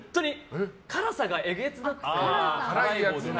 辛さがえげつなくて。